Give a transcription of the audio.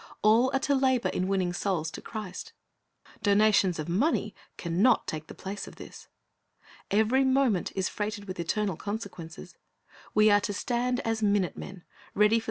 All are to labor in winning souls to Christ. Donations of mone\' can not take the place of this. Every moment is freighted with eternal consequences. We are to stand as minute men, ready for .